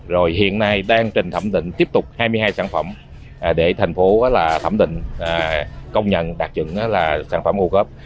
rồi hiện nay đang trình thẩm định tiếp tục hai mươi hai sản phẩm để thành phố thẩm định công nhận đặc trưng là sản phẩm bồ cốp